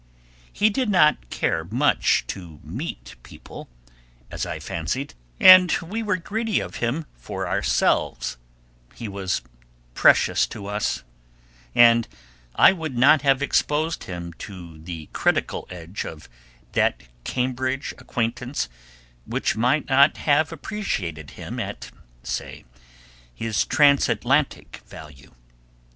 He did not care much to meet people, as I fancied, and we were greedy of him for ourselves; he was precious to us; and I would not have exposed him to the critical edge of that Cambridge acquaintance which might not have appreciated him at, say, his transatlantic value.